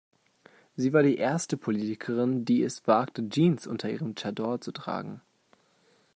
Sie war die erste Politikerin, die es wagte, Jeans unter ihrem Tschador zu tragen.